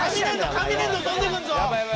紙粘土飛んでくるぞ！